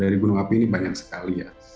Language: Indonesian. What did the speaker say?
dari gunung api ini banyak sekali ya